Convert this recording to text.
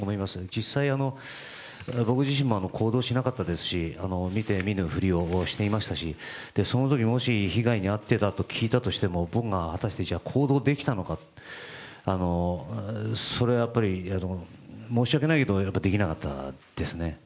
実際、僕自身も行動していなかったですし見て見ぬ振りをしていましたしそのとき、もし、被害に遭っていたと聞いたとしても、僕が果たして行動できたのか、それは申し訳ないけど、できなかったですね。